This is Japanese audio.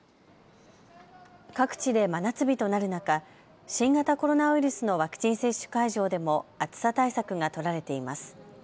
各地で真夏日となる中、新型コロナウイルスのワクチン接種会場でも暑さ対策が取られています。